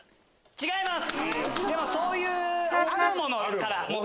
違います！